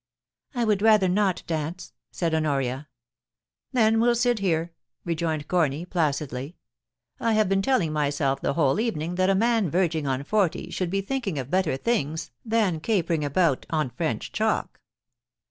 * I would rather not dance,* said Honoria. * Then we'll sit here,' rejoined Corny, placidly. * I have been telling myself the whole evening that a man verging on forty should be thinking of better things than capering about on French chalk.'